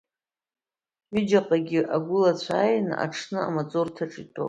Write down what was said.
Ҩыџьаҟагьы агәылацәа ааин аҽны имаҵурҭаҿы итәоуп.